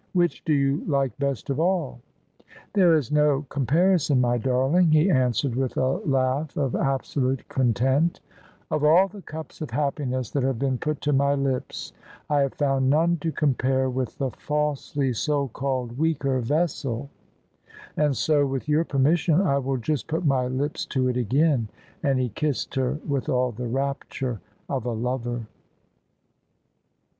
Which do you like best of all ?"" There is no comparison, my darling," he answered with a lau^ of absolute content: " of all the cups of happiness that have been put to my lips I have found none to compare with the falsely so called 'weaker vessel'; so, with your permission, I will just put my lips to it again." And he kissed her with all the rapture of a lover.